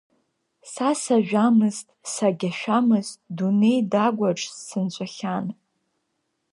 Са сажәамызт сагьашәамызт, дунеи дагәаҿ сынҵәахьан.